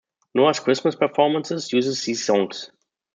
Noah's Christmas performances uses these songs.